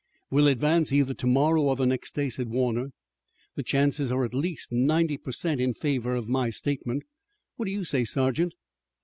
"We'll advance either tomorrow or the next day," said Warner. "The chances are at least ninety per cent in favor of my statement. What do you say, sergeant?"